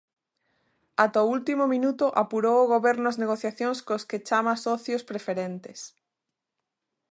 Ata o último minuto apurou o Goberno as negociacións cos que chama socios preferentes.